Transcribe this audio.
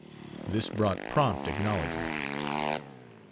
This brought prompt acknowledgment.